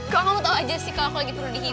kalau kamu tau aja sih kalau aku lagi perlu dihitu